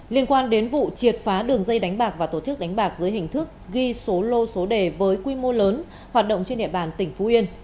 liên quan đến vụ triệt phá đường dây đánh bạc và tổ chức đánh bạc dưới hình thức ghi số lô số đề với quy mô lớn hoạt động trên địa bàn tỉnh phú yên